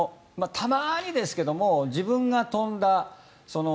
たまにですけども自分が跳んだ